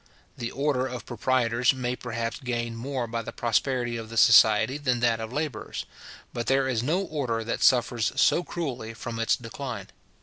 The order of proprietors may perhaps gain more by the prosperity of the society than that of labourers; but there is no order that suffers so cruelly from its decline.